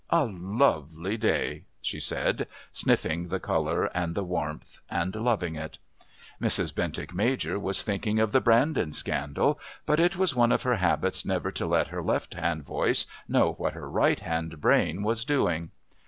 "A lovely day," she said, sniffing the colour and the warmth, and loving it. Mrs. Bentinck Major was thinking of the Brandon scandal, but it was one of her habits never to let her left hand voice know what her right hand brain was doing.